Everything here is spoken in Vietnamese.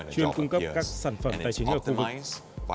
chuyên cung cấp các sản phẩm tài chính ở khu vực